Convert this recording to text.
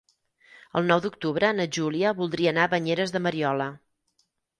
El nou d'octubre na Júlia voldria anar a Banyeres de Mariola.